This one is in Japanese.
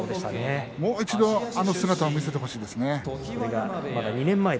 もう一度、あの姿を見せてほしいですね。